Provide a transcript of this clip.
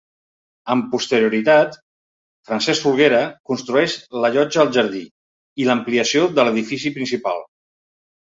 Amb posterioritat, Francesc Folguera construeix la llotja al jardí i l'ampliació de l'edifici principal.